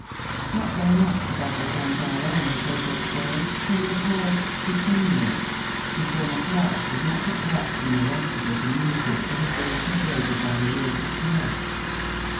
Not very much above the chandala in the social scale, come the Paris chiffonniers, who form a class as much apart from the rest of the community as if they were separated by the laws of caste.